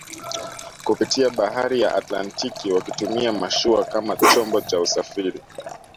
kupitia bahari ya Atlantiki wakitumia mashua kama chombo cha usafiri